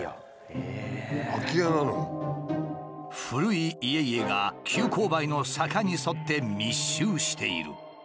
古い家々が急勾配の坂に沿って密集している。